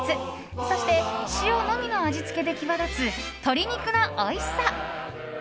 そして、塩のみの味付けで際立つ鶏肉のおいしさ。